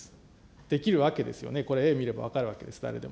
できるわけですよね、これ、絵見れば分かるわけです、誰でも。